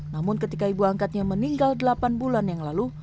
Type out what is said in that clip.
namun ketika ibu angkatnya meninggal delapan bulan yang lalu